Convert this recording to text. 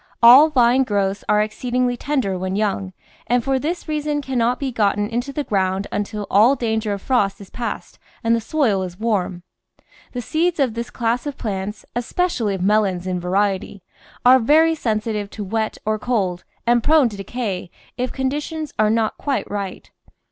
All vine growths are exceedingly tender when young, and for this reason cannot be gotten into the ground un til all danger of frost is past and the soil is warm. The seeds of this class of plants — especially of melons in variety — are very sensitive to wet or cold and prone to decay if conditions are not quite right.